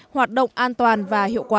hoạt động an toàn và hiệu quả